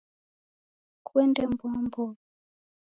Kuende mboa mboa